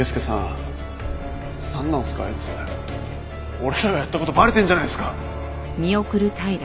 俺らがやった事バレてんじゃないっすか。